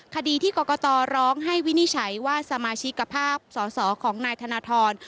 คดีที่กรกตร้องให้วินิจฉัยว่าสมาชิกภาพสอสอของนายธนทร